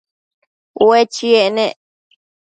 Ue chiec nec